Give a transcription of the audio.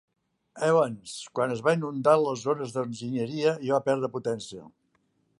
"Evans" quan es van inundar les zones d'enginyeria i va perdre potència.